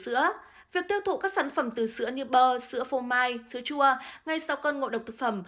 sữa việc tiêu thụ các sản phẩm từ sữa như bơ sữa phô mai sữa chua ngay sau cơn ngộ độc thực phẩm